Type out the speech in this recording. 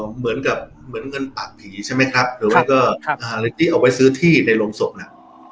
เหมือนเงินปากผีใช่ไหมครับหรือว่าก็หาอะไรที่เอาไว้ซื้อที่ในโรงศพนะ